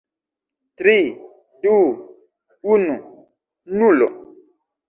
Tri... du... unu... nulo